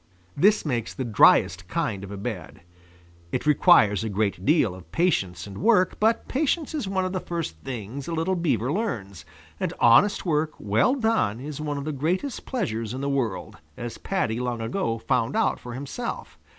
This makes the driest kind of a bed. It requires a great deal of patience and work, but patience is one of the first things a little Beaver learns, and honest work well done is one of the greatest pleasures in the world, as Paddy long ago found out for himself.